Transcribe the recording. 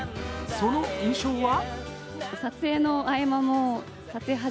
その印象は？